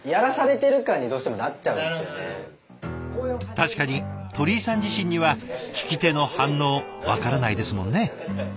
確かに鳥居さん自身には聞き手の反応分からないですもんね。